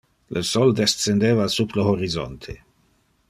Le sol descendeva sub le horizonte.